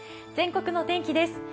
全国の天気です。